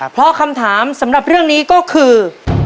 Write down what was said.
เพราะคำถามสำหรับเรื่องนี้ก็คือ